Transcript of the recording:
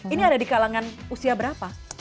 ini ada di kalangan usia berapa